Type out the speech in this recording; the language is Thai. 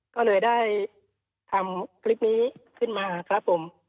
ก็เลยได้ทำคลิปนี้ขึ้นมาครับผม